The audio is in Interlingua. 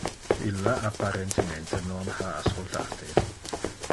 Illa apparentemente non ha ascoltate.